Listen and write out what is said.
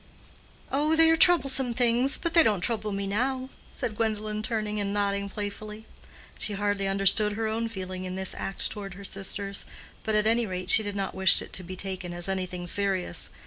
"Oh, they are troublesome things; but they don't trouble me now," said Gwendolen, turning and nodding playfully. She hardly understood her own feeling in this act toward her sisters, but at any rate she did not wish it to be taken as anything serious.